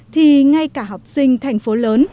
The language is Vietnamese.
thì ngay cả học sinh thành phố lớn